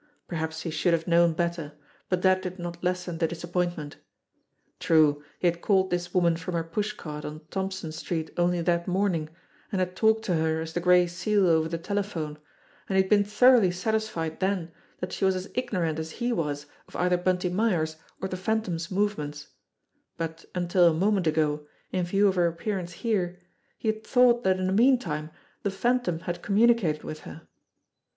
Perhaps he should have known better, but that did not lessen the disappointment. True, he had called this woman from her pushcart on Thompson Street only that morning, and had talked to her as the Gray Seal over the telephone, and he had been thoroughly satisfied then that she was as ignorant as he was of either Bunty Myers' or the Phantom's movements; but until a moment ago, in view of her appearance here, he had thought that in the meantime the Phantom had communicated with her.